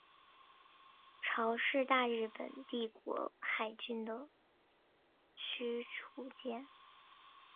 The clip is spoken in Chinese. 潮是大日本帝国海军的驱逐舰。